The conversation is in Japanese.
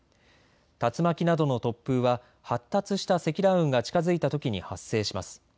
竜巻などの突風は発達した積乱雲が近づいたときに発生します。